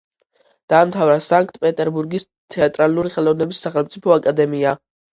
დაამთავრა სანქტ-პეტერბურგის თეატრალური ხელოვნების სახელმწიფო აკადემია.